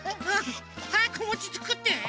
はやくもちつくって。